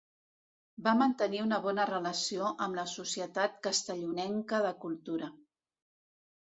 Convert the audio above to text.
Va mantenir una bona relació amb la Societat Castellonenca de Cultura.